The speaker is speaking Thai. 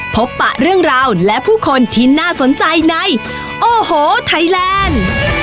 ปะเรื่องราวและผู้คนที่น่าสนใจในโอ้โหไทยแลนด์